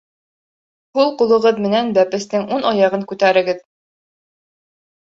Һул ҡулығыҙ менән бәпестең уң аяғын күтәрегеҙ.